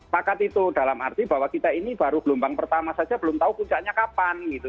pakat itu dalam arti bahwa kita ini baru gelombang pertama saja belum tahu puncaknya kapan gitu